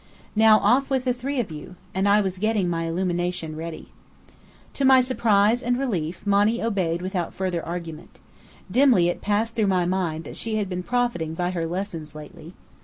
Now, off with the three of you!" And I was getting my illumination ready. To my surprise and relief, Monny obeyed without further argument. Dimly it passed through my mind that she had been profiting by her lessons lately.